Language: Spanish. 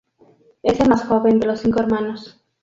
Es el más joven de los cinco hermanos.